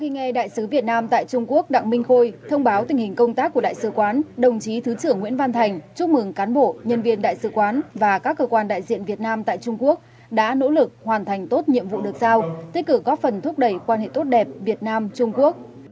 khi nghe đại sứ việt nam tại trung quốc đặng minh khôi thông báo tình hình công tác của đại sứ quán đồng chí thứ trưởng nguyễn văn thành chúc mừng cán bộ nhân viên đại sứ quán và các cơ quan đại diện việt nam tại trung quốc đã nỗ lực hoàn thành tốt nhiệm vụ được giao tích cử góp phần thúc đẩy quan hệ tốt đẹp việt nam trung quốc